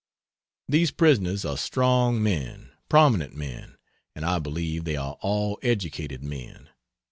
These prisoners are strong men, prominent men, and I believe they are all educated men.